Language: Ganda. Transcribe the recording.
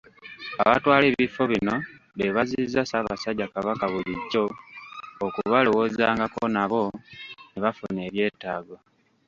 Abatwala ebifo bino be bazizza Ssaabasajja Kabaka bulijjo okubalowoozangako nabo ne bafuna ebyetaago.